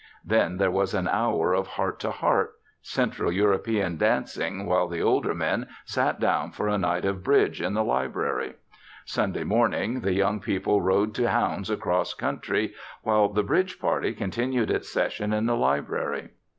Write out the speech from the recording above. Then there was an hour of heart to heart, central European dancing while the older men sat down for a night of bridge in the library. Sunday morning, the young people rode to hounds across country while the bridge party continued its session in the library.